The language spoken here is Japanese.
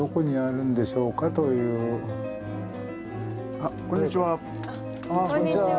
あっこんにちは。